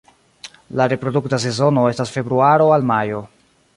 La reprodukta sezono estas februaro al majo.